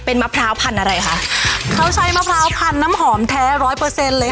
เป็นมะพร้าวพันธุ์อะไรคะเขาใช้มะพร้าวพันน้ำหอมแท้ร้อยเปอร์เซ็นต์เลย